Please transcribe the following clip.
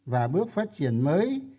và bước phát triển mới